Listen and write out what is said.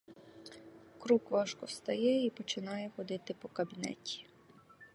Крук важко встає й починає ходити по кабінеті.